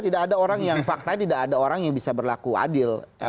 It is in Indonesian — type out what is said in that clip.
tidak ada orang yang faktanya tidak ada orang yang bisa berlaku adil